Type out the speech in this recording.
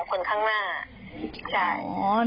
มันเห็นแค่๒คนข้างหน้า